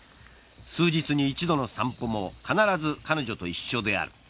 数日に一度の散歩も必ず彼女と一緒である。